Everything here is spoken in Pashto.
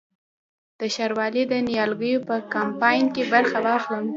د ښاروالۍ د نیالګیو په کمپاین کې برخه واخلم؟